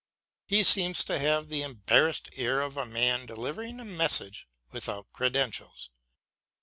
He seems to have the embarrassed air of a man delivering a message without credentials.